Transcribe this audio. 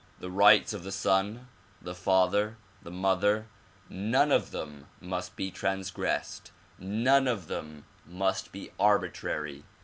The rights of the son, the father, the mother, none of them must be transgressed, none of them must be arbitrary.